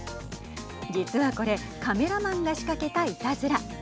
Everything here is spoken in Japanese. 実はこれカメラマンが仕掛けたいたずら。